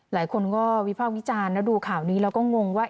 หลายคนก็วิภาควิจารณ์แล้วดูข่าวนี้แล้วก็งงว่า